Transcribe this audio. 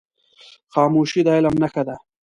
خاموشي، د علم نښه ده.